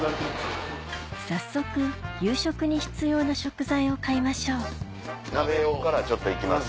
早速夕食に必要な食材を買いましょう鍋用から行きます？